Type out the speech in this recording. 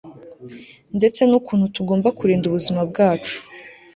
ndetse n'ukuntu tugomba kurinda ubuzima bwacu